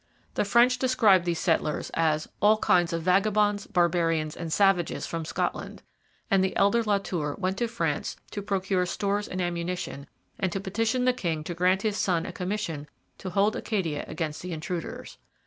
The French described these settlers as 'all kinds of vagabonds, barbarians, and savages from Scotland'; and the elder La Tour went to France to procure stores and ammunition, and to petition the king to grant his son a commission to hold Acadia against the intruders.